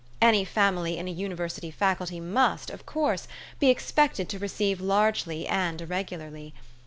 Any family in a university Faculty must, of course, be expected to receive largely and irregularly.